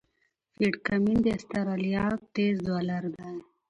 پیټ کمېن د استرالیا تېز بالر دئ.